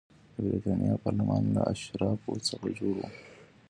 د برېټانیا پارلمان له اشرافو څخه جوړ و.